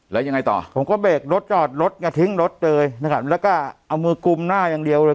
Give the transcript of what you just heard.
แล้วยังไงต่อผมก็เบรกรถจอดรถกระทิ้งรถเลยนะครับแล้วก็เอามือกุมหน้าอย่างเดียวเลย